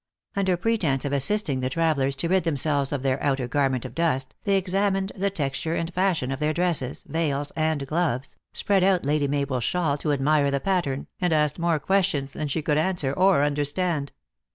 Under pre tence of assisting the travelers to rid themselves of their outer garment of dust, they examined the tex ture and fashion of their dresses, veils and gloves, spread out Lady Mabel s shawl to admire the pattern, and asked more questions than she could answer or understand.